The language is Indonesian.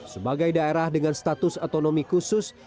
sebagai daerah dengan status otonomi khusus